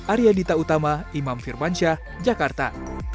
arya dita utama imam firman shah jakarta